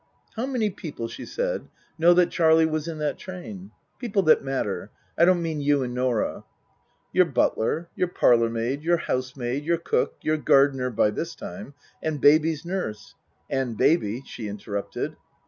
" How many people," she said, " know that Charlie was in that train ? People that matter I don't mean you and Norah." " Your butler, your parlourmaid, your housemaid, your cook, your gardener by this time and Baby's nurse "(" And Baby," she interrupted.)